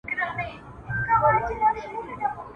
پر سپین آس باندي وو سپور لکه سلطان وو !.